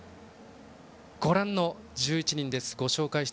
ご覧の１１人です。